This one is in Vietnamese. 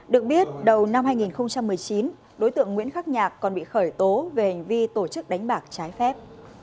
được biết đầu năm hai nghìn một mươi chín đối tượng nguyễn khắc nhạc còn bị khởi tố về hành vi tổ chức đánh bạc trái phép